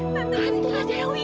lara tante dewi